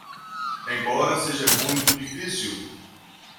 Embora seja muito difícil